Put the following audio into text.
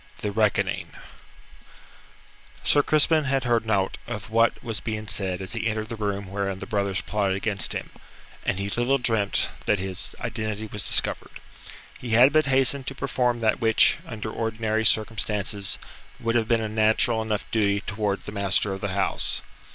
THE RECKONING Sir Crispin had heard naught of what was being said as he entered the room wherein the brothers plotted against him, and he little dreamt that his identity was discovered. He had but hastened to perform that which, under ordinary circumstances, would have been a natural enough duty towards the master of the house.